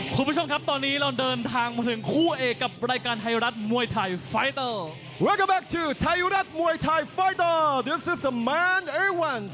คุณผู้ชมครับตอนนี้เราเดินทางมาถึงคู่เอกกับรายการไทยรัฐมวยไทยไฟเตอร์